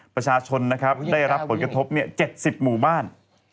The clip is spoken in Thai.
ประชาชนนะครับได้รับผลกระทบ๗๐หมู่บ้าน